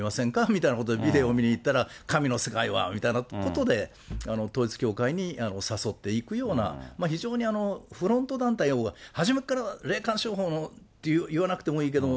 みたいなことでビデオ見に行ったら、神の世界はみたいなことで、統一教会に誘っていくような、非常にフロント団体が、初めっから霊感商法って言わなくてもいいけど、